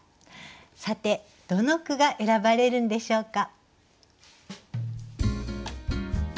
さてどの句が選ばれるんでしょうか。